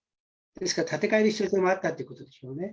ですから建て替えの必要性もあったということですよね。